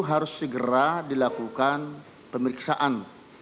harus segera dilakukan pemeriksaan